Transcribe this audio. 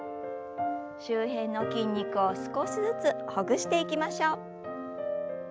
周辺の筋肉を少しずつほぐしていきましょう。